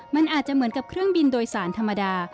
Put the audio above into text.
มันอาจจะเหมือนกับเครื่องบินโดยสารธรรมดา